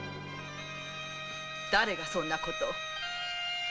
だれがそんなことを。